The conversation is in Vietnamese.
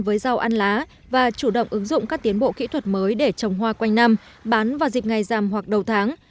với rau ăn lá và chủ động ứng dụng các tiến bộ kỹ thuật mới để trồng hoa quanh năm bán vào dịp ngày rằm hoặc đầu tháng